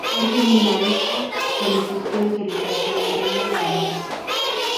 Fue seminarista, realizó estudios de literatura griega y romana.